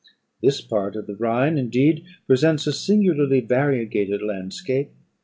This part of the Rhine, indeed, presents a singularly variegated landscape.